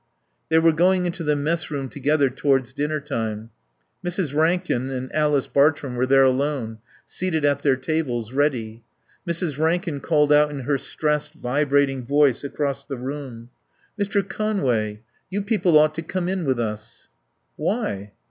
They were going into the messroom together towards dinner time. Mrs. Rankin and Alice Bartrum were there alone, seated at their tables, ready. Mrs. Rankin called out in her stressed, vibrating voice across the room: "Mr. Conway, you people ought to come in with us." "Why?"